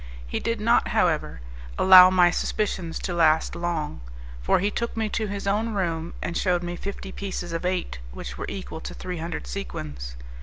He did not, however, allow my suspicions to last long, for he took me to his own room and shewed me fifty pieces of eight, which were equal to three hundred sequins.